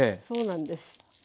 そうなんです。